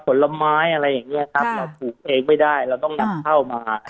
ผลไม้อะไรอย่างเงี้ยครับเราปลูกเองไม่ได้เราต้องนำเข้ามา